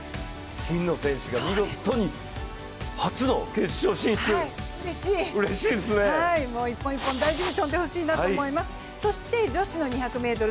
真野選手が見事に初の決勝進出一本一本大事に跳んでほしいなと思います。